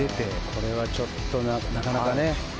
これはちょっとなかなかね。